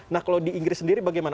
nah kalau di inggris sendiri bagaimana